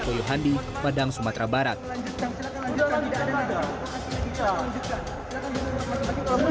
koyuhandi padang sumatera barat silakan tidak ada nilai nilai silakan jangan maksudnya kalau